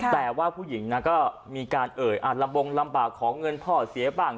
แต่ว่าผู้หญิงนะก็มีการเอ่ยลำบงลำบากของเงินพ่อเสียบ้าง